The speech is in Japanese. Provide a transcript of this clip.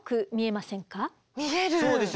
見える。